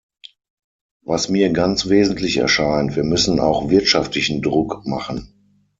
Was mir ganz wesentlich erscheint, wir müssen auch wirtschaftlichen Druck machen!